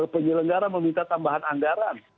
penyelenggara meminta tambahan anggaran